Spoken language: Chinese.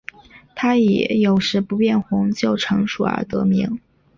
它以有时不变红就成熟而得名。